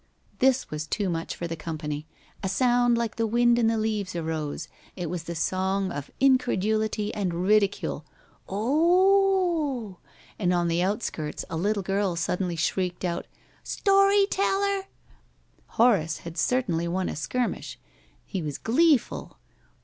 This was too much for the company. A sound like the wind in the leaves arose; it was the song of incredulity and ridicule. "O o o o o!" And on the outskirts a little girl suddenly shrieked out, "Story teller!" Horace had certainly won a skirmish. He was gleeful.